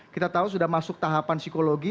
kita tahu sudah masuk tahapan psikologi